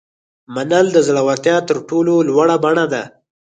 منل د زړورتیا تر ټولو لوړه بڼه ده.